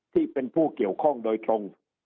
ต้องโดยตรง